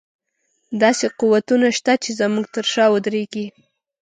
داسې قوتونه شته چې زموږ تر شا ودرېږي.